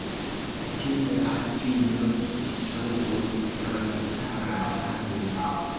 La tiea vino taŭgus por la cara tablo.